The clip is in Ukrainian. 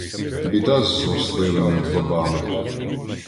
Біда з злосливими бабами!